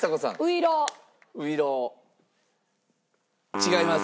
違います！